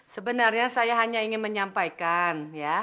sebenarnya saya hanya ingin menyampaikan